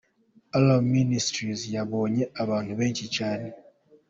Alarm Ministries yabonye abantu benshi cyane.